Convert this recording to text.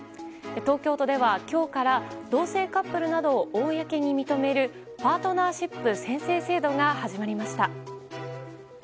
東京都では今日から同性カップルなどを公に認めるパートナーシップ宣誓制度が始まりました。